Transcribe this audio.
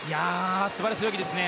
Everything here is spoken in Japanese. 素晴らしい泳ぎですね。